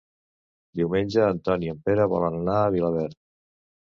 Diumenge en Ton i en Pere volen anar a Vilaverd.